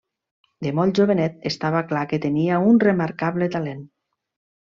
De molt jovenet estava clar que tenia un remarcable talent.